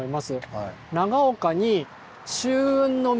はい。